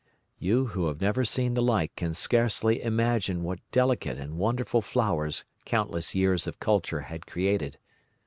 You who have never seen the like can scarcely imagine what delicate and wonderful flowers countless years of culture had created.